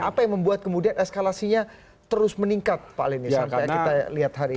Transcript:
apa yang membuat kemudian eskalasinya terus meningkat pak leni sampai kita lihat hari ini